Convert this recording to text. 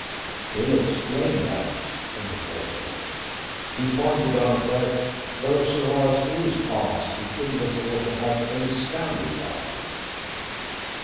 "Hill explained that," interposed Rolfe. "He pointed out that, though Sir Horace knew his past, he couldn't afford to have any scandal about it."